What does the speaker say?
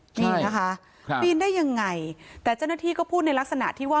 นี่นะคะปีนได้ยังไงแต่เจ้าหน้าที่ก็พูดในลักษณะที่ว่า